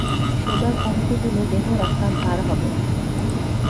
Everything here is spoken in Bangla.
সেবার কমতি হলে দেহ রাখা ভার হবে।